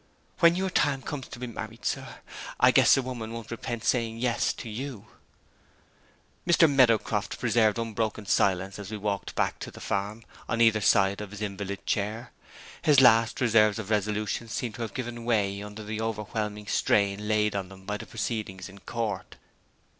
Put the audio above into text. "When your time comes to be married, sir, I guess the woman won't repent saying yes to you!" Mr. Meadowcroft preserved unbroken silence as we walked back to the farm on either side of his invalid chair. His last reserves of resolution seemed to have given way under the overwhelming strain laid on them by the proceedings in court.